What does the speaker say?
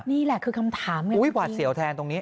นี่แหละคือคำถามไงอุ้ยหวาดเสียวแทนตรงนี้